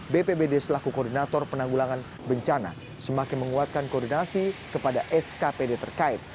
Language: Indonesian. bpbd selaku koordinator penanggulangan bencana semakin menguatkan koordinasi kepada skpd terkait